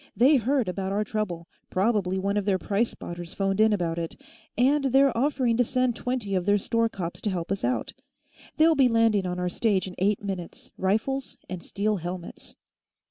"They heard about our trouble probably one of their price spotters phoned in about it and they're offering to send twenty of their store cops to help us out. They'll be landing on our stage in eight minutes, rifles and steel helmets."